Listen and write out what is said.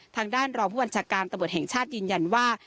ทางด้านรองผู้บัญชาการตำรวจแห่งชาติยืนยันว่า